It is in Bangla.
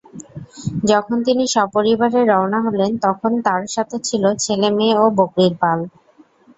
যখন তিনি সপরিবারে রওয়ানা হলেন তখন তাঁর সাথে ছিল ছেলে-মেয়ে ও বকরীর পাল।